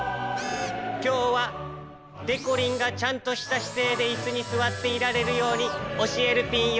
きょうはでこりんがちゃんとしたしせいでイスにすわっていられるようにおしえるピンよ。